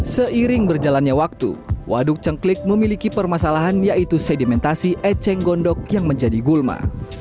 seiring berjalannya waktu waduk cengklik memiliki permasalahan yaitu sedimentasi eceng gondok yang menjadi gulma